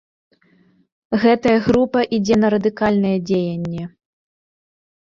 Гэтая група ідзе на радыкальныя дзеянні.